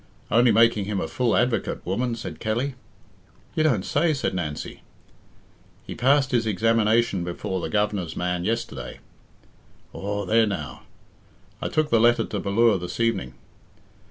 "Only making him a full advocate, woman," said Kelly. "You don't say?" said Nancy. "He passed his examination before the Govenar's man yesterday." "Aw, there now!" "I took the letter to Ballure this evening."